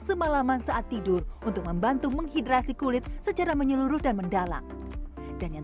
semalaman saat tidur untuk membantu menghidrasi kulit secara menyeluruh dan mendalam dan yang